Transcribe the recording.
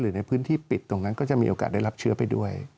ในพื้นที่ปิดตรงนั้นก็จะมีโอกาสได้รับเชื้อไปด้วย